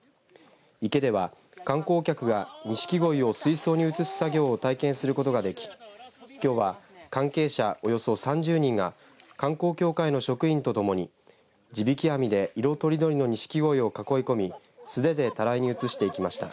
池では観光客がにしきごいを水槽に移す作業を体験することができきょうは関係者、およそ３０人が観光協会の職員とともに地引き網で色とりどりのにしきごいを囲い込み素手でたらいに移していきました。